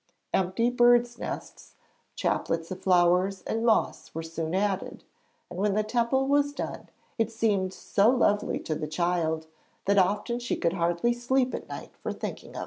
Empty birds' nests, chaplets of flowers and moss were soon added, and when the temple was done it seemed so lovely to the child that often she could hardly sleep at night for thinking of it.